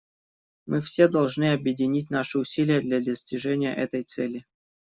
Мы все должны объединить наши усилия для достижения этой цели.